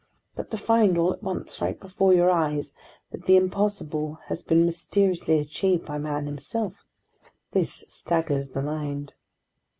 But to find, all at once, right before your eyes, that the impossible had been mysteriously achieved by man himself: this staggers the mind!